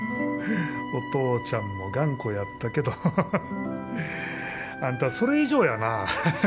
お父ちゃんも頑固やったけどハハハハあんたそれ以上やな。